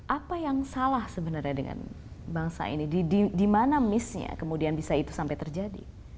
apa yang salah sebenarnya dengan bangsa ini di mana missnya kemudian bisa itu sampai terjadi